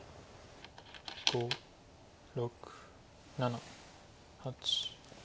５６７８。